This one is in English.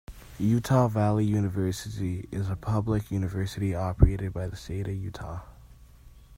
Utah Valley University is a public university operated by the state of Utah.